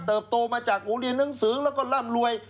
โตมาจากโรงเรียนหนังสือแล้วก็ร่ำรวย